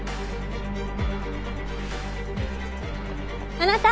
あなた。